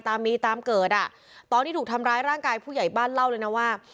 ตามมีตามเกิดอ่ะตอนที่ถูกทำร้ายร่างกายผู้ใหญ่บ้านเล่าเลยนะว่า